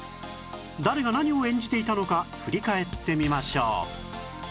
誰が何を演じていたのか振り返ってみましょう